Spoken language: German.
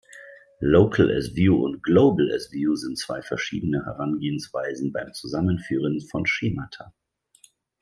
Local-as-View und Global-as-View sind zwei verschiedene Herangehensweisen beim Zusammenführen von Schemata.